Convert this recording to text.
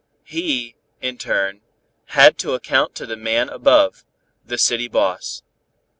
He, in his turn, had to account to the man above, the city boss.